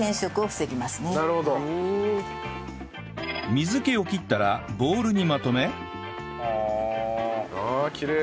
水気を切ったらボウルにまとめああきれい。